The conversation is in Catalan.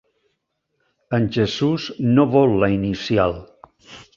En Jesús no vol la inicial.